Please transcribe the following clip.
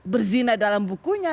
berzinah dalam bukunya